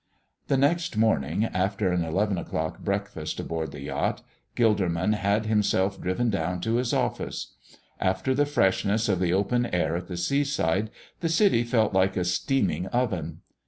The next morning, after an eleven o'clock breakfast aboard the yacht, Gilderman had himself driven down to his office. After the freshness of the open air at the sea side, the city felt like a steaming oven.